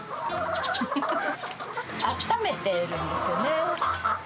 あっためているんですよね。